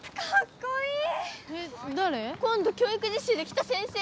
こんど教育実習で来た先生。